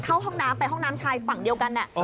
เข้าห้องน้ำไปห้องน้ำชายฝั่งเดียวกัน